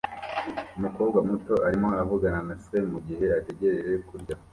Umukobwa muto arimo avugana na se mugihe ategereje kurya